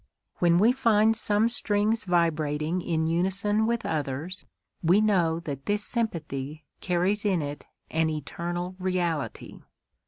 When we find some strings vibrating in unison with others, we know that this sympathy carries in it an eternal reality.